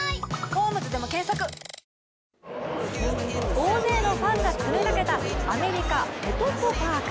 大勢のファンが詰めかけたアメリカ・ペトコパーク。